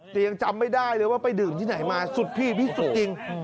แต่ยังจำไม่ได้เลยว่าไปดื่มที่ไหนมาสุดพี่พี่สุดจริง